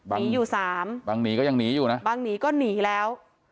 หนีอยู่สามบางหนีก็ยังหนีอยู่นะบางหนีก็หนีแล้ว